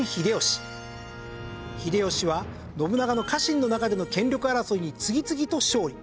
秀吉は信長の家臣の中での権力争いに次々と勝利。